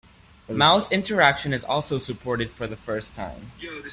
Mouse interaction is also supported for the first time.